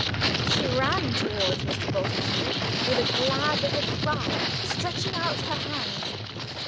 She ran towards Mr. Bultitude with a glad little cry, stretching out her hands.